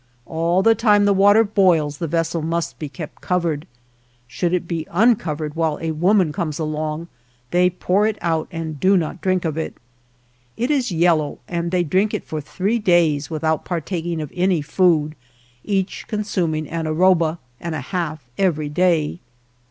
All the time the water boils the vessel must be kept covered. Should it be uncovered while a woman comes along they pour it out and 125 THE JOURNEY OF do not drink of it. It is yellow and they drink it for three days without partaking of any food, each consuming an arroba and a half every day.